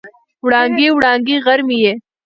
وړانګې، وړانګې غر مې یې